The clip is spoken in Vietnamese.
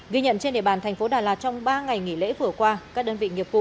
ghi nhận trên địa bàn thành phố đà lạt trong ba ngày nghỉ lễ vừa qua các đơn vị nghiệp vụ